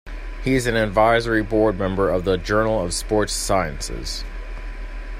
He is an advisory board member of the "Journal of Sports Sciences".